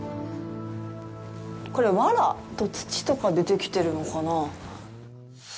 これ、わら？と土とかでできてるのかな。